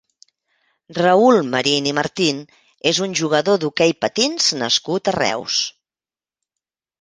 Raül Marín i Martín és un jugador d'hoquei patins nascut a Reus.